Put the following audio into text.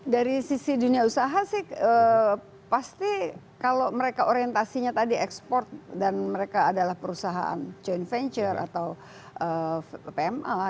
dari sisi dunia usaha sih pasti kalau mereka orientasinya tadi ekspor dan mereka adalah perusahaan joint venture atau pma